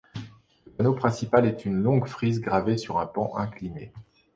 Le panneau principal est une longue frise gravée sur un pan incliné.